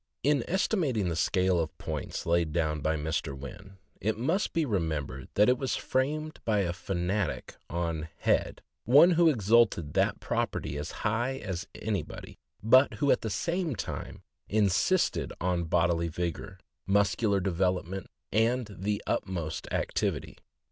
In estimating the scale of points laid down by Mr. Wynn, it must be remembered that it was framed by a fanatic on "head," one who exalted that property as high as anybody, but who at the same time insisted on bodily vigor, muscu lar development, and the utmost activity.